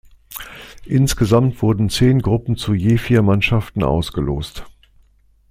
Insgesamt wurden zehn Gruppen zu je vier Mannschaften ausgelost.